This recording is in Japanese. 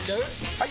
・はい！